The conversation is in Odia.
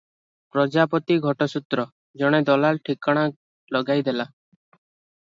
ପ୍ରଜାପତି ଘଟସୂତ୍ର, ଜଣେ ଦଲାଲ ଠିକଣା ଲଗାଇ ଦେଲା ।